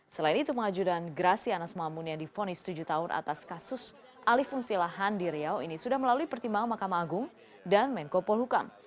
selain itu pengajuran grasi anas ma'amun yang diponis tujuh tahun atas kasus alifungsilahan di riau ini sudah melalui pertimbangan mahkamah agung dan menkopol hukam